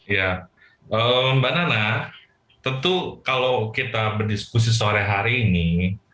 ya mbak nana tentu kalau kita berdiskusi sore hari ini